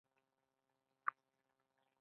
موږ احساس وکړ چې په یو تکراري حالت کې یو